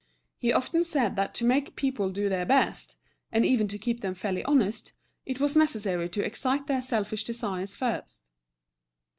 He often said that to make people do their best, and even to keep them fairly honest, it was necessary to excite their selfish desires first.